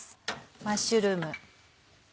マッシュルーム。